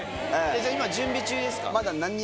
今準備中ですか？